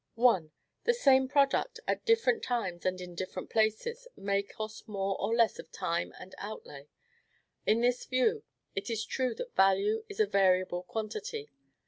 1. The same product, at different times and in different places, may cost more or less of time and outlay; in this view, it is true that value is a variable quantity.